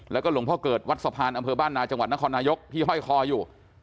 แล้วก็หลวงพ่อเกิดวัดสะพานอำเภอบ้านนาจังหวัดนครนายกที่ห้อยคออยู่